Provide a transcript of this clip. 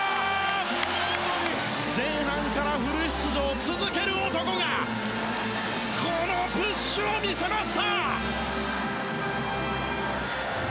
前半からフル出場を続ける男がこのプッシュを見せました！